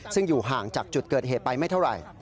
ซึ่งอยู่ห่างจากจุดเกิดเหตุไปไม่เท่าไหร่